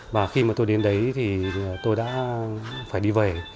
và khi mà tôi đến đấy thì tôi đã phải đi về